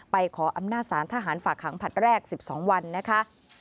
ขออำนาจสารทหารฝากขังผลัดแรก๑๒วันนะคะ